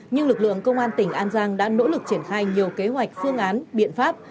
nhưng lực lượng công an tỉnh an giang đã nỗ lực triển khai nhiều kế hoạch phương án biện pháp